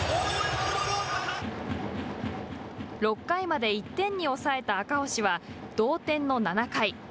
６回まで１点に抑えた赤星は同点の７回。